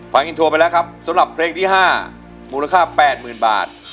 ฟังอินโทรไปแล้วครับสำหรับเพลงที่ห้ามูลค่าแปดหมื่นบาท